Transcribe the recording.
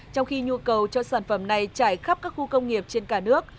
trong khi nhu cầu cho sản phẩm này trải khắp các khu công nghiệp trên cả nước